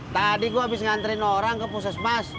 tadi gue abis ngantriin orang ke posis mas